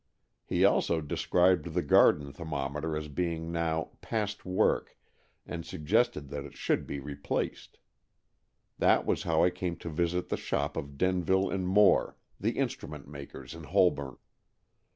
He also described the garden thermometer as being now '' past work," and suggested that it should be replaced. That was how I came to visit the shop of Den ville & Moore, the instrument makers in Holborn.